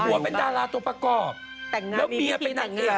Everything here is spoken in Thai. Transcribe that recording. ผัวเป็นดาราตัวประกอบแล้วเมียเป็นนางเอกวะแหวน